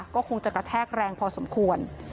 ก็คงจะกระแทกแรงพอสมควร